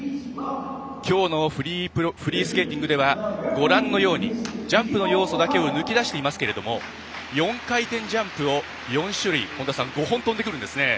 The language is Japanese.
きょうのフリースケーティングではジャンプの要素だけを抜き出していますが４回転ジャンプを４種類５本跳んでくるんですね。